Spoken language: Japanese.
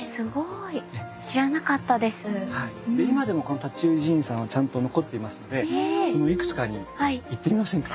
今でもこの塔頭寺院さんはちゃんと残っていますのでそのいくつかに行ってみませんか？